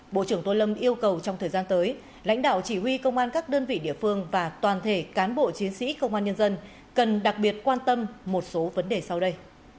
bộ trưởng tô lâm yêu cầu trong thời gian tới lãnh đạo chỉ huy công an các đơn vị địa phương và toàn thể cán bộ chiến sĩ công an nhân dân cần đặc biệt quan tâm một số vấn đề sau đây